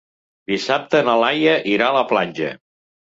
Dissabte na Laia irà a la platja.